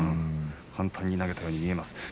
簡単に投げたように見えます。